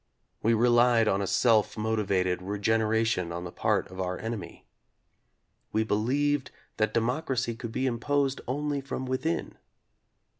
We relied on a self motivated regeneration on the part of our en emy. We believed that democracy could be im posed only from within.